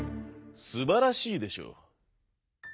すばらしいでしょう？」。